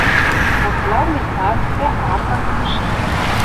Вот главный плац дӓ арка кӱкшӹ.